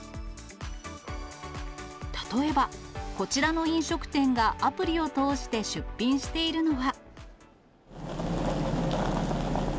例えば、こちらの飲食店がアプリを通して出品しているのは。